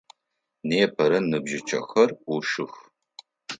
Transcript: Непэрэ ныбжьыкӏэхзр ӏушых.